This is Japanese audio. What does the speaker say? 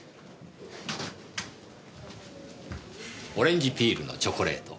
オレンジピールのチョコレート。